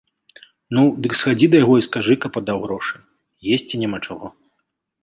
Ну, дык схадзі да яго і скажы, каб аддаў грошы, есці няма чаго.